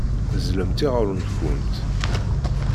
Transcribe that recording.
Ẓẓlemt iɣallen-nkumt.